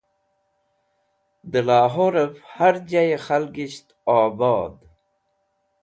De Lahorev Har Jaye Khalgisht Obod